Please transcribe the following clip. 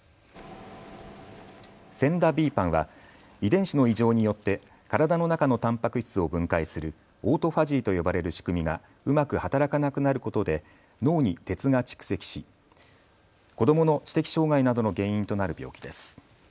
ＳＥＮＤＡ／ＢＰＡＮは遺伝子の異常によって体の中のタンパク質を分解するオートファジーと呼ばれる仕組みがうまく働かなくなることで脳に鉄が蓄積し子どもの知的障害などの原因となる病気です。